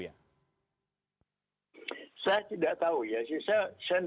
yang digunakan untuk indikator mengenai wawasan kebangsaan seseorang begitu melalui tes